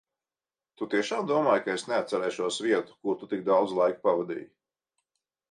Tu tiešām domāji, ka es neatcerēšos vietu, kur tu tik daudz laika pavadīji?